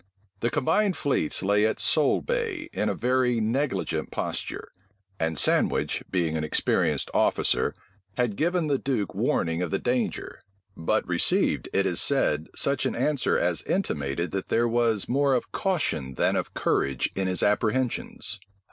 The combined fleets lay at Solebay in a very negligent posture, and Sandwich, being an experienced officer, had given the duke warning of the danger, but received, it is said, such an answer as intimated that there was more of caution than of courage in his apprehensions.